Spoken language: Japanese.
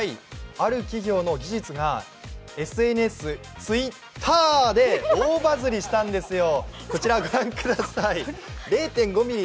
ある企業の事実がＳＮＳ、ツイッたーーーーーで大バズりしたんですよ。